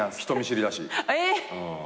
人見知りだし。